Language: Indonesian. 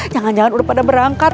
jangan jangan udah pada berangkat